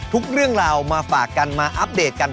ทุกเรื่องราวมาฝากกันมาอัปเดตกัน